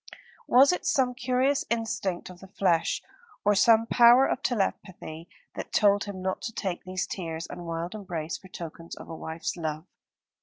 Was it some curious instinct of the flesh, or some power of telepathy, that told him not to take these tears and wild embrace for tokens of a wife's love?